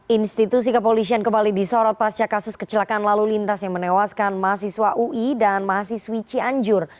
institusi kepolisian kembali disorot pasca kasus kecelakaan lalu lintas yang menewaskan mahasiswa ui dan mahasiswi cianjur